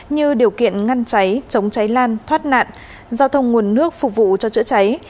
như điều kiện ngăn cháy chống cháy lan thoát nạn giao thông nguồn nước phục vụ cho chữa cháy